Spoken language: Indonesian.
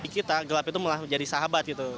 kita gelap itu mulai menjadi sahabat gitu